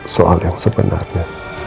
soal yang sebenarnya